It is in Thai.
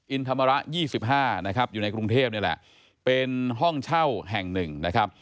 อินธรรมระ๒๕อยู่ในกรุงเทพฯเป็นห้องเช่าแห่งหนึ่ง